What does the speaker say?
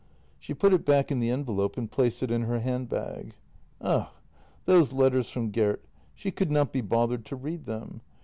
She put it back in the envelope and placed it in her hand bag. Ugh ! those letters from Gert — she could not be bothered to read them.